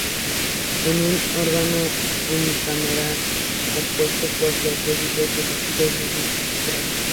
Es un órgano unicameral, compuesto por los ediles elegidos mediante sufragio.